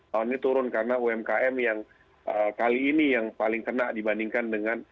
tahun ini turun karena umkm yang kali ini yang paling kena dibandingkan dengan